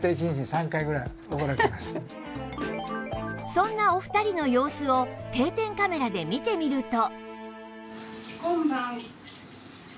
そんなお二人の様子を定点カメラで見てみると